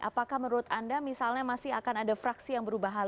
apakah menurut anda misalnya masih akan ada fraksi yang berubah halu